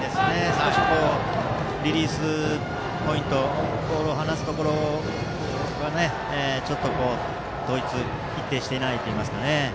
少しリリースポイントボールを放すところがちょっと一定していないといいますか。